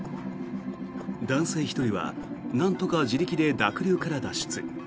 男性１人はなんとか自力で濁流から脱出。